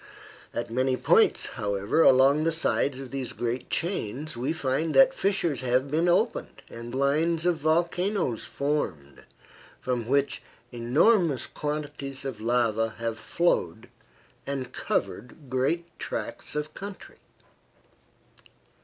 At many points, however, along the sides of these great chains we find that fissures have been opened and lines of volcanoes formed, from which enormous quantities of lava have flowed and covered great tracts of country.